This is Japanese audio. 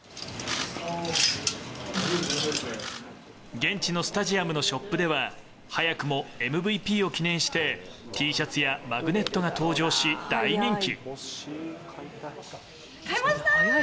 現地のスタジアムのショップでは早くもＭＶＰを記念してＴシャツやマグネットが登場し大人気。